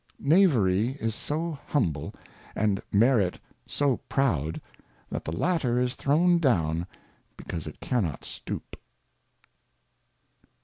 Knavery is so humble, and Merit so proud, that the latter is thrown down because it cannot stoop.